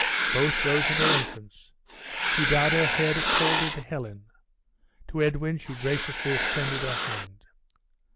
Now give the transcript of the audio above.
Both rose at her entrance. She bowed her head coldly to Helen. To Edwin she graciously extended her hand.